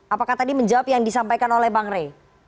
apakah tadi menjawab yang disampaikan oleh bang rey